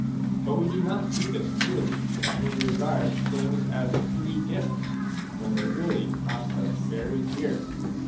But we do not see this clearly, and we regard things as free gifts when they really cost us very dear.